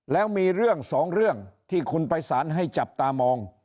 แล้วมีเรื่องสองเรื่องที่คุณไปสารให้จับตามอง